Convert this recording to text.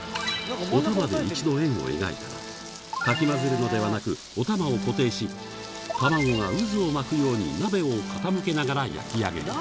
おたまで一度円を描いたら、かき混ぜるのではなく、おたまを固定し、卵が渦を巻くように鍋を傾けながら焼き上げる。